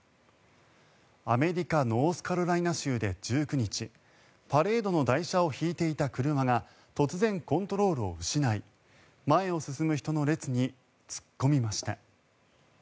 アメリカ・ノースカロライナ州で１９日パレードの台車を引いていた車が突然、コントロールを失い前を進む人の列に突っ込みました。